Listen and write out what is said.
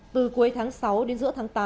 từ cuối tháng sáu đến giữa tháng tám